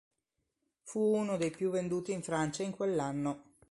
Fu uno dei più venduti in Francia in quell'anno.